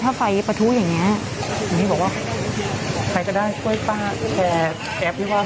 ถ้าไฟประทุอย่างเงี้ยพี่บอกว่าใครก็ได้ช่วยป้าแชร์แอปพี่บอกว่า